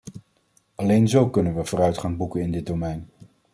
Alleen zo kunnen we vooruitgang boeken in dit domein.